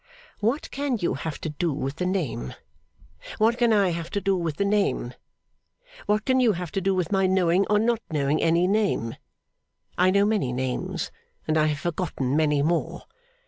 'What can you have to do with the name? What can I have to do with the name? What can you have to do with my knowing or not knowing any name? I know many names and I have forgotten many more.